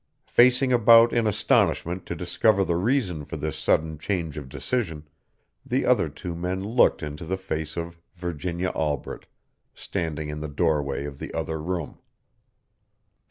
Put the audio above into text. Facing about in astonishment to discover the reason for this sudden change of decision, the other two men looked into the face of Virginia Albret, standing in the doorway of the other room.